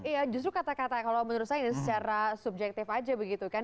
iya justru kata kata kalau menurut saya secara subjektif aja begitu kan